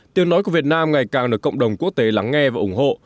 tiếng nói của việt nam ngày càng được cộng đồng quốc tế lắng nghe và ủng hộ